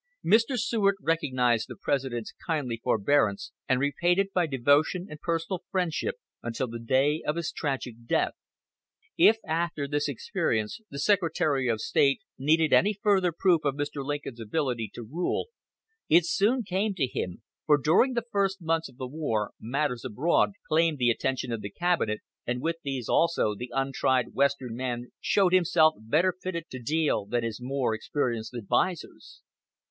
Mr. Seward recognized the President's kindly forbearance, and repaid it by devotion and personal friendship until the day of his tragic death. If, after this experience, the Secretary of State needed any further proof of Mr. Lincoln's ability to rule, it soon came to him, for during the first months of the war matters abroad claimed the attention of the cabinet, and with these also the untried western man showed himself better fitted to deal than his more experienced advisers.